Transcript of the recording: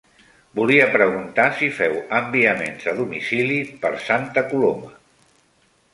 Volia preguntar si feu enviaments a domicili per Santa Coloma?